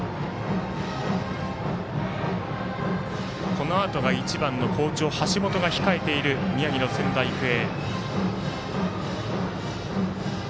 このあとが１番好調、橋本が控えている宮城の仙台育英。